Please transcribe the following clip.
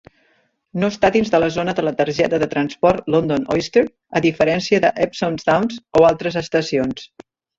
No està dins de la zona de la targeta de transport London Oyster, a diferència d'Epsom Downs o altres estacions.